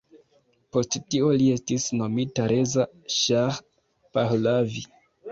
Post tio li estis nomita Reza Ŝah Pahlavi.